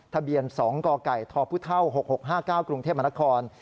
ทะเบียน๒กกทพ๖๖๕๙กรุงเทพมนคร